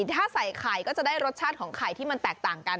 ถ้าใส่ไข่ก็จะได้รสชาติของไข่ที่มันแตกต่างกัน